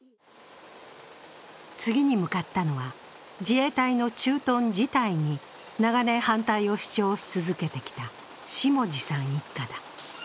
次に向かったのは、自衛隊の駐屯自体に長年反対を主張し続けてきた下地さん一家だ。